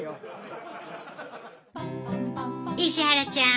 石原ちゃん！